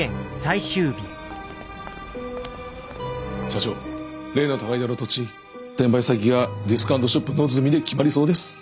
社長例の高井戸の土地転売先が「ディスカウントショップノズミ」で決まりそうです。